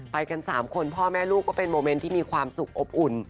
ไปกัน๓คนพ่อแม่ลูกก็เป็นโมเมนต์ที่มีความสุขอบอุ่น